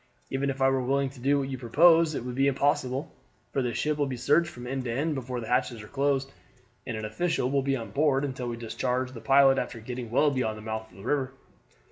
Even if I were willing to do what you propose it would be impossible, for the ship will be searched from end to end before the hatches are closed, and an official will be on board until we discharge the pilot after getting well beyond the mouth of the river."